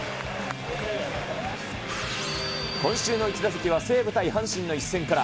今週の１打席は西武対阪神の一戦から。